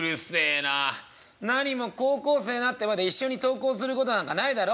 なにも高校生になってまで一緒に登校することなんかないだろ？」。